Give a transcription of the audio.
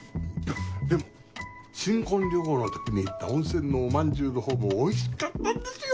でも新婚旅行の時に行った温泉のおまんじゅうのほうもおいしかったんですよ！